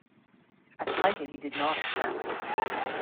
A title he did not accept.